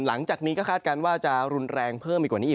หลังจากนี้ก็คาดการณ์ว่าจะรุนแรงเพิ่มไปกว่านี้อีก